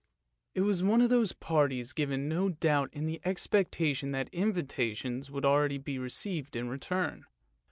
It was one of those parties given, no doubt, in the expectation that invitations would be received in return.